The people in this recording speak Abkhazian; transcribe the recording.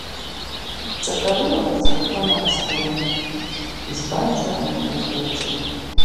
Ҵаҟа рылаӷырӡ каҭәон аҳаскьын, избанзар амра цәырҵит.